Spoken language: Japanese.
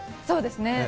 そうですね。